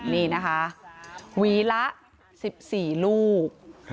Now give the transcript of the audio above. นี่นะคะหวีละ๑๔ลูก